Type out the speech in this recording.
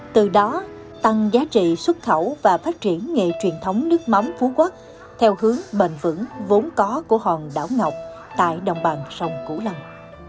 từ đó tăng giá trị xuất khẩu và phát triển nghề truyền thống nước mắm phú quốc theo hướng bền vững vốn có của hòn đảo ngọc tại đồng bằng sông cửu long